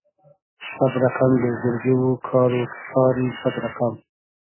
سئد رئقئم بېجیرگی و کار و کئتاری سئد رئقئم